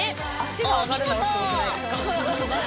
お見事！